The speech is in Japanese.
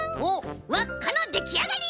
わっかのできあがり！